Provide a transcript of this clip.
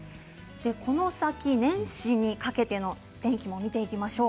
この先、年始にかけての天気も見ていきましょう。